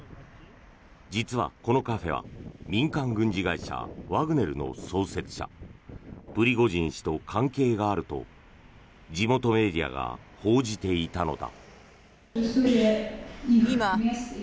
実は、このカフェは民間軍事会社ワグネルの創設者プリゴジン氏と関係があると地元メディアが報じていたのだ。